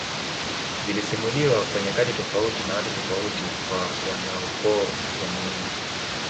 zilisimuliwa kwa nyakati tofauti na watu tofauti kwa wanaukoo wa muyinga